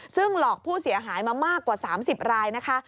ซึ่งหลอกผู้เสียหายมามากกว่า๓๐รายนะคะ